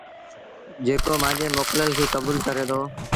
جيڪو مآݩجي موڪلل کي ڪبوٚل ڪري دو